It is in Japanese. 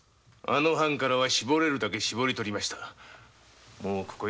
あの藩からは絞れるだけ絞り取りましたもう潮時だと。